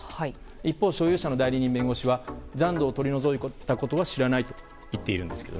一方、所有者の代理人弁護士は残土を取り除いたことは知らないと言ってるんですが。